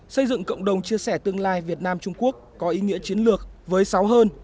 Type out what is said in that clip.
xây dựng cộng đồng chia sẻ tương lai việt nam trung quốc có ý nghĩa chiến lược với sáu hơn